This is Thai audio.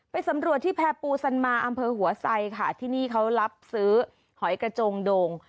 สำรวจที่แพรปูซันมาอำเภอหัวไซค่ะที่นี่เขารับซื้อหอยกระจงโดง